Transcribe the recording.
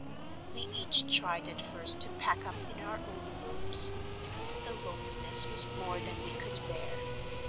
We each tried at first to pack up in our own rooms—but the loneliness was more than we could bear.